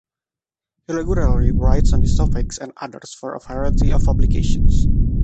He regularly writes on these topics and others for a variety of publications.